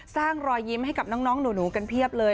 รอยยิ้มให้กับน้องหนูกันเพียบเลย